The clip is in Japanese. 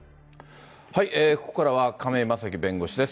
ここからは亀井正貴弁護士です。